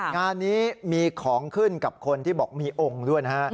งานนี้มีของขึ้นกับคนที่บอกมีองค์ด้วยนะฮะ